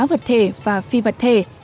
vật thể và phi vật thể